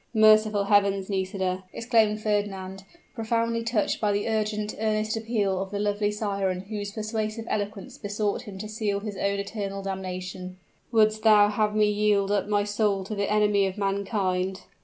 "Merciful heavens! Nisida," exclaimed Fernand, profoundly touched by the urgent, earnest appeal of the lovely siren whose persuasive eloquence besought him to seal his own eternal damnation "would'st thou have me yield up my soul to the enemy of mankind?"